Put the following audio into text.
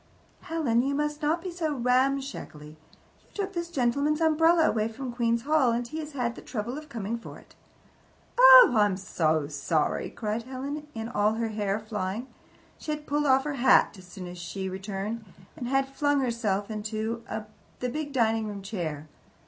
"Helen, you must not be so ramshackly. You took this gentleman's umbrella away from Queen's Hall, and he has had the trouble of coming for it." "Oh, I am so sorry!" cried Helen, all her hair flying. She had pulled off her hat as soon as she returned, and had flung herself into the big dining room chair.